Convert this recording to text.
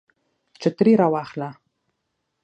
چترۍ را واخله